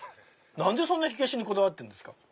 何でそんな火消しにこだわってるんですか？